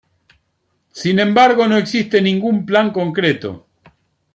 Sin embargo, no existe ningún plan concreto.